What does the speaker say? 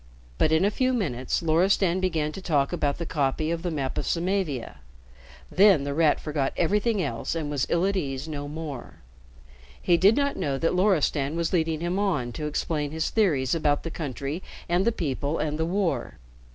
But in a few minutes Loristan began to talk about the copy of the map of Samavia. Then The Rat forgot everything else and was ill at ease no more. He did not know that Loristan was leading him on to explain his theories about the country and the people and the war.